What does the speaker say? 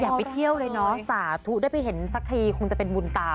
ไปเที่ยวเลยเนาะสาธุได้ไปเห็นสักทีคงจะเป็นบุญตา